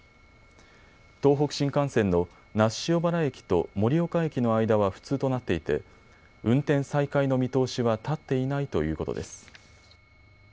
東北新幹線の那須塩原駅と盛岡駅の間は不通となっていて運転再開の見通しは立っていないということです。